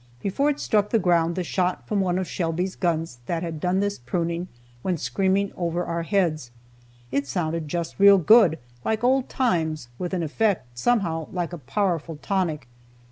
Before it struck the ground the shot from one of Shelby's guns that had done this pruning went screaming over our heads. It sounded just real good, like old times, with an effect, somehow, like a powerful tonic.